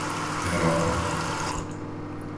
Hrochoť